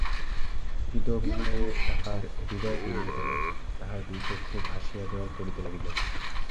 কিন্তু অভিমানে তাঁহার হৃদয় পুরিয়া গেল, তাঁহার দুই চক্ষু ভাসিয়া জল পড়িতে লাগিল।